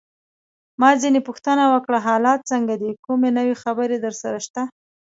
ما ځینې پوښتنه وکړه: حالات څنګه دي؟ کوم نوی خبر درسره شته؟